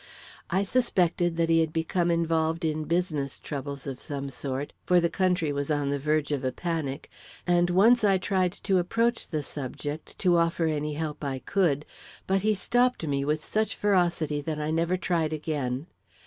I suspected that he had become involved in business troubles of some sort, for the country was on the verge of a panic, and once I tried to approach the subject to offer him any help I could, but he stopped me with such ferocity that I never tried again.